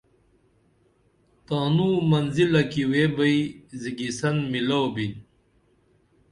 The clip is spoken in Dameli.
تانوں منزلہ کی ویبئی زِگیسن میلو بِن